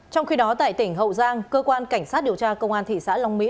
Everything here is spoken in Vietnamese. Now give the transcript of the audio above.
trong khi đó tại tỉnh hậu giang cơ quan cảnh sát điều tra công an thị xã long mỹ